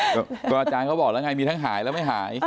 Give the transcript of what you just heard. ก็อาจารย์เขาบอกแล้วไงมีทั้งหายแล้วไม่หาย